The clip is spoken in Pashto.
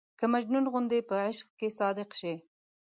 که مجنون غوندې په عشق کې صادق شي.